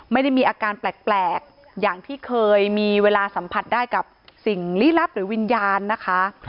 ไม่ได้มีอาการแปลกอย่างที่เคยมีเวลาสัมผัสได้กับสิ่งลี้ลับหรือวิญญาณนะคะ